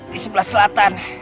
di sebelah selatan